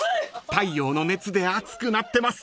［太陽の熱で熱くなってます